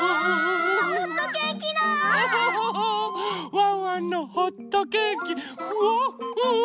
ワンワンのホットケーキフワッフワ。